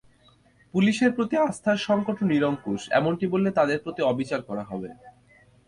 পুলিশের প্রতি আস্থার সংকটও নিরঙ্কুশ, এমনটি বললে তাদের প্রতি অবিচার করা হবে।